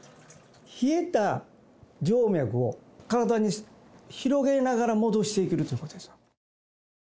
冷えた静脈を体に広げながら戻していけるということです。